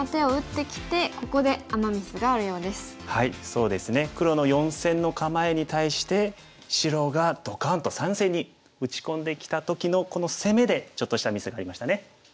そうですね黒の４線の構えに対して白がドカンと３線に打ち込んできた時のこの攻めでちょっとしたミスがありましたね。